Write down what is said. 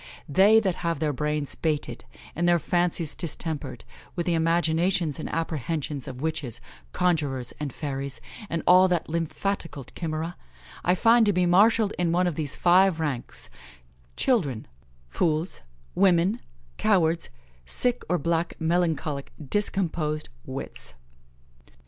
They that have their brains baited, and their fancies distempered, with the imaginations and apprehensions of witches, conjurors, and fairies, and all that lymphatical chimera, I find to be marshalled in one of these five ranks: Children, fools, women, cowards, sick or black melancholic discomposed wits."